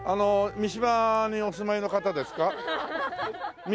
三島にお住まいの方？違います。